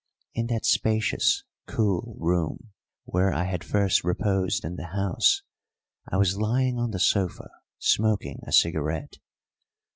In that spacious, cool room where I had first reposed in the house, I was lying on the sofa smoking a cigarette.